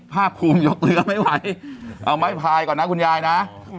ภาคภูมิยกเรือไม่ไหวเอาไม้พายก่อนนะคุณยายนะ